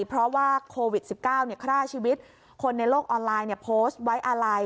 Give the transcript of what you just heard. เพราะว่าโควิด๑๙ฆ่าชีวิตคนในโลกออนไลน์โพสต์ไว้อาลัย